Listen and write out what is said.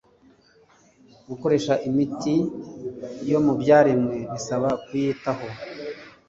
Gukoresha imiti yo mu byaremwe bisaba kubyitaho